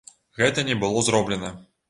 Гэта не было зроблена.